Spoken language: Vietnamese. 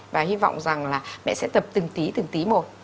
và hy vọng rằng là mẹ sẽ tập từng tý từng tí một